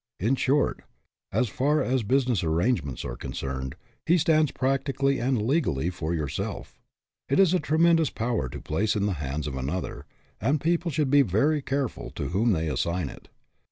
In short, as far as business arrangements are concerned, he stands practi cally and legally for yourself. This is a tre mendous power to place in the hands of an other, and people should be very careful to whom they assign It.